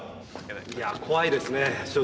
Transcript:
いや怖いですね正直ね。